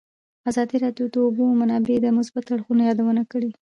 ازادي راډیو د د اوبو منابع د مثبتو اړخونو یادونه کړې.